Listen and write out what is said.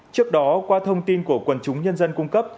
trước đó qua thông tin của quần chúng nhân dân cung cấp